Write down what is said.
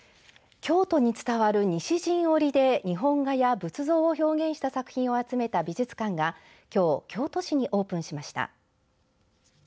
京都に伝わる西陣織で日本画や仏像を表現した作品を集めた美術館がきょう京都市にオープンしました。